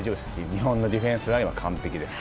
日本のディフェンスラインは完璧です。